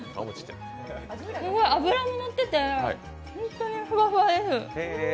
脂ものってて本当にふわふわです！